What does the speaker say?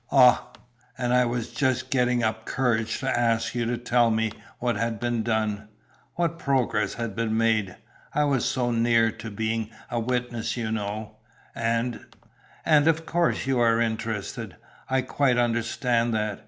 "Ah! And I was just getting up courage to ask you to tell me what had been done, what progress had been made; I was so near to being a witness, you know, and " "And of course you are interested, I quite understand that.